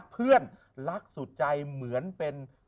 เพื่อนรักสุดใจเหมือนเป็น